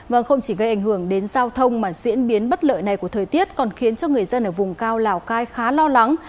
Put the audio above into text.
vâng không chỉ gây ảnh hưởng đến giao thông mà diễn biến bất lợi này của thời tiết còn khiến cho người dân ở vùng cao lào cai khá lo lắng